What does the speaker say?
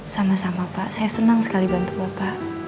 sama sama pak saya senang sekali bantu bapak